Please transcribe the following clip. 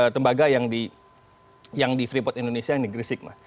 tembaga yang di freeport indonesia yang di gresik